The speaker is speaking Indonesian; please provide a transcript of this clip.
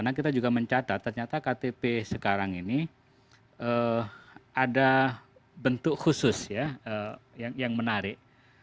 saya juga mencatat ternyata kdp sekarang ini ada bentuk khusus ya yang menarik